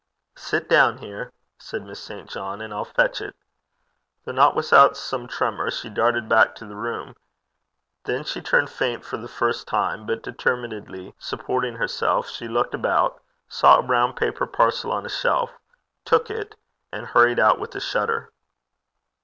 'Sit down here,' said Miss St. John, 'and I'll fetch it.' Though not without some tremor, she darted back to the room. Then she turned faint for the first time, but determinedly supporting herself, she looked about, saw a brown paper parcel on a shelf, took it, and hurried out with a shudder.